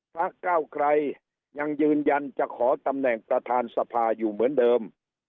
พระเก้าไกรยังยืนยันจะขอตำแหน่งประธานสภาอยู่เหมือนเดิม